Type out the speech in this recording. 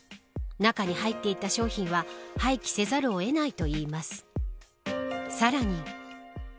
中に入っていた商品は廃棄せざるを得ないといいます。